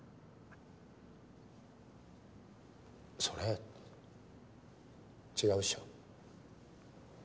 それ違うっしょ。